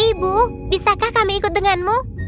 ibu bisakah kami ikut denganmu